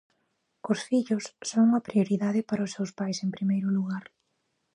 Os fillos son unha prioridade para os seus pais, en primeiro lugar.